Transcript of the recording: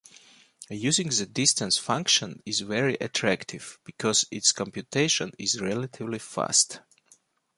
Using the distance function is very attractive because its computation is relatively fast.